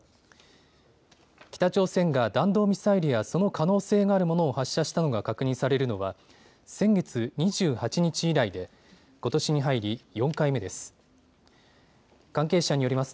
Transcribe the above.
北朝鮮が弾道ミサイルやその可能性のあるものを発射したのが確認されるのは先月２８日以来でことしに入り４回目です。